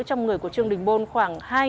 trong người của trương đình bôn khoảng